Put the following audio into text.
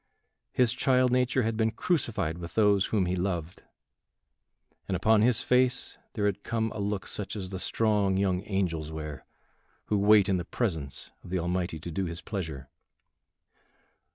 His child nature had been crucified with those whom he loved, and upon his face there had come a look such as the strong young angels wear who wait in the presence of the Almighty to do his pleasure.